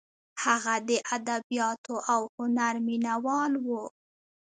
هغه د ادبیاتو او هنر مینه وال و.